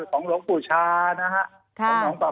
ของหลวงปูชานะฮะ